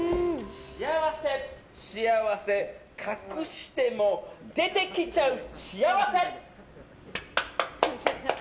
幸せ、幸せ隠しても出てきちゃう幸せ！